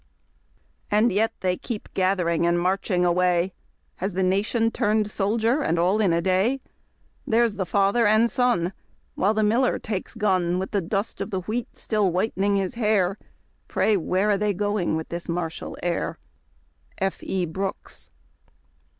And yet they keep gathering and marching away! Has the nation turned soldier — and all in a day ? There's the father and son! AVhile the miller takes gun With the dust of the wheat still whitening his hair ; Prav where are they going with tliis martial air ? F. E. Brooks.